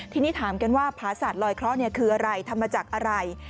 ทีนี้ถามกันว่าผาศาสตลอยเคราะห์คืออะไรทำมาจากอะไร